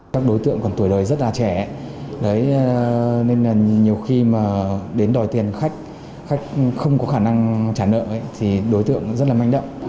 các đối tượng còn tuổi đời rất là trẻ nên nhiều khi đến đòi tiền khách không có khả năng trả nợ thì đối tượng rất là manh đậm